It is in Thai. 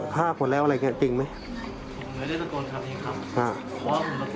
ลูกหน้านี้ฆาตหมดแล้ว